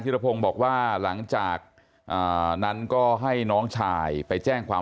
รพงศ์บอกว่าหลังจากนั้นก็ให้น้องชายไปแจ้งความ